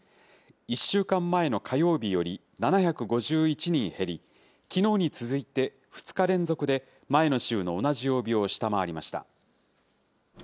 １週間前の火曜日より７５１人減り、きのうに続いて２日連続で、前の週の同じ曜日を下回りました。